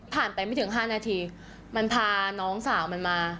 ไปไม่ถึง๕นาทีมันพาน้องสาวมันมา